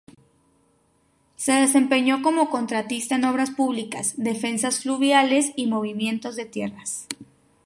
Se desempeñó como contratista en obras públicas, defensas fluviales y movimientos de tierras.